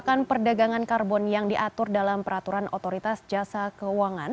dan perdagangan karbon yang diatur dalam peraturan otoritas jasa keuangan